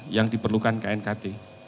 yang diperlukan knkt